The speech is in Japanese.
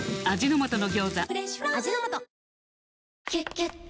「キュキュット」